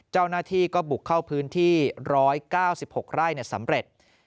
เจ้าหน้าที่ก็บุกเข้าพื้นที่๑๙๖ไร่สำเร็จ